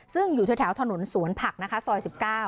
ซึ่งอยู่แถวถนนสวนผักนะคะซอย๑๙